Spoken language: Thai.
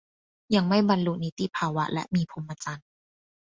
ยังไม่บรรลุนิติภาวะและมีพรหมจรรย์